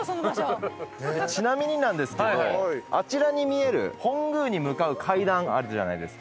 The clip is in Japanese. ちなみになんですけどあちらに見える本宮に向かう階段あるじゃないですか。